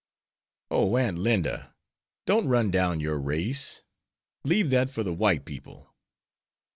"Oh, Aunt Linda, don't run down your race. Leave that for the white people."